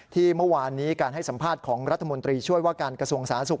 ที่เมื่อวานนี้การให้สัมภาษณ์ของรัฐมนตรีช่วยว่าการกระทรวงสาธารณสุข